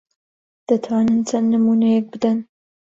دەتوانن چەند نموونەیەک بدەن؟